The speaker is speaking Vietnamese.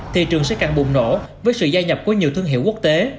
thị trường sẽ càng bùng nổ với sự gia nhập của nhiều thương hiệu quốc tế